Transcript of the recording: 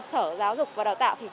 sở giáo dục và đào tạo